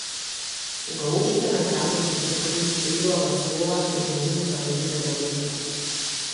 Кога очите на градот ги покри лилава смола една улица отиде во неврат.